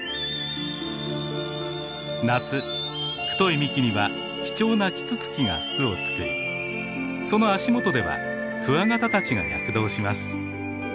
夏太い幹には貴重なキツツキが巣を作りその足元ではクワガタたちが躍動します。